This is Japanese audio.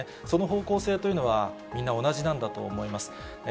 その方向性というのはみんな同じなんだと思います。